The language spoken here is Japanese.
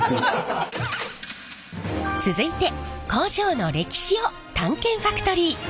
続いて工場の歴史を探検ファクトリー！